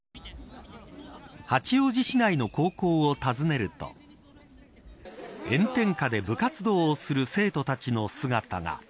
八王子市内の高校を訪ねると炎天下で部活動をする生徒たちの姿が。